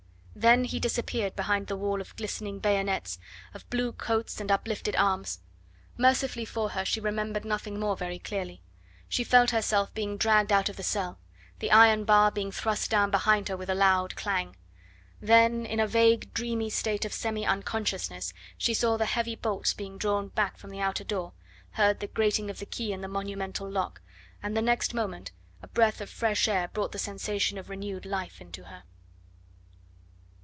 Then he disappeared behind the wall of glistening bayonets, of blue coats and uplifted arms; mercifully for her she remembered nothing more very clearly. She felt herself being dragged out of the cell, the iron bar being thrust down behind her with a loud clang. Then in a vague, dreamy state of semi unconsciousness she saw the heavy bolts being drawn back from the outer door, heard the grating of the key in the monumental lock, and the next moment a breath of fresh air brought the sensation of renewed life into her.